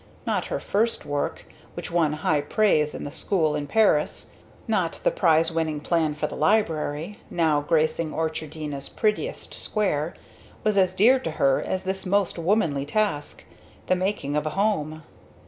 Not her first work, which won high praise in the school in Paris, not the prize winning plan for the library, now gracing Orchardina's prettiest square, was as dear to her as this most womanly task the making of a home.